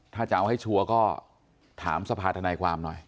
ถ้าจะเอาให้ชัวร์ก็ถามสภาธนายความหน่อย